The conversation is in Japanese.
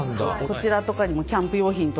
こちらとかにもキャンプ用品とかも。